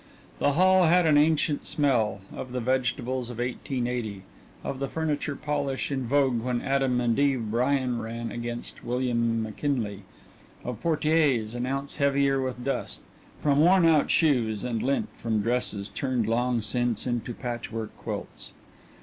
The hall had an ancient smell of the vegetables of 1880, of the furniture polish in vogue when "Adam and Eve" Bryan ran against William McKinley, of portieres an ounce heavier with dust, from worn out shoes, and lint from dresses turned long since into patch work quilts.